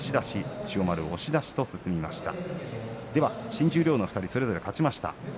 新十両の２人が、それぞれ勝ちました